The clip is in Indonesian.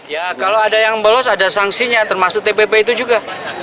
ya kalau ada yang bolos ada sanksinya termasuk tpp itu juga